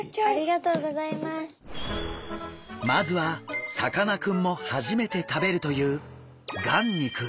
まずはさかなクンも初めて食べるという眼肉。